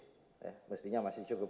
ya mestinya masih cukup